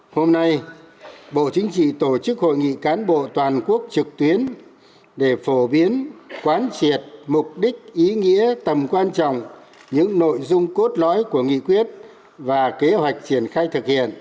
hôm nay bộ chính trị tổ chức hội nghị cán bộ toàn quốc trực tuyến để phổ biến quán triệt mục đích ý nghĩa tầm quan trọng những nội dung cốt lõi của nghị quyết và kế hoạch triển khai thực hiện